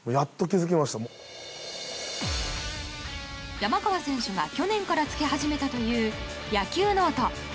山川選手が去年からつけ始めたという野球ノート。